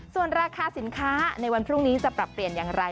ส่วนราคาสินค้าในวันพรุ่งนี้จะปรับเปลี่ยนอย่างไร